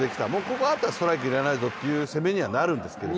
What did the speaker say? ここだったらストライク入れないぞという攻めにはなるんですけど。